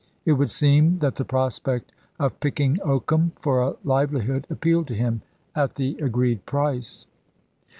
It would seem that the prospect of picking oakum for a livelihood appealed to him, at the agreed price.